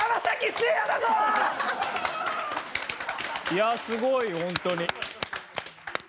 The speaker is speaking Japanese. いやすごいホントに。